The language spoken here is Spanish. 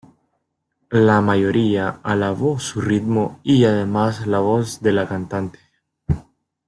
La mayoría alabó su ritmo y además la voz de la cantante.